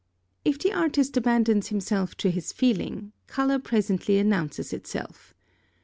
If the artist abandons himself to his feeling, colour presently announces itself.